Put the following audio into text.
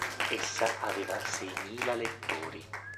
Essa aveva "seimila lettori".